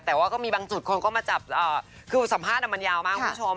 แต่ว่าก็มีบางจุดคนก็มาจับคือสัมภาษณ์มันยาวมากคุณผู้ชม